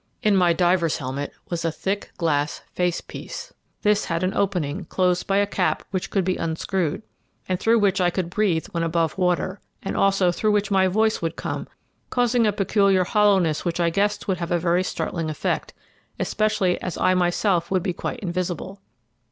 "In my diver's helmet was a thick glass face piece. This had an opening, closed by a cap, which could be unscrewed, and through which I could breathe when above water, and also through which my voice would come, causing a peculiar hollowness which I guessed would have a very startling effect, especially as I myself would be quite invisible.